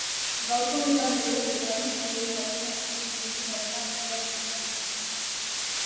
Gaurko honetan ere, erabiltzaileek arazoak izan dituzte sarrerak eskuratzeko orduan.